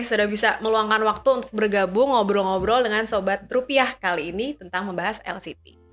sudah bisa meluangkan waktu untuk bergabung ngobrol ngobrol dengan sobat rupiah kali ini tentang membahas lct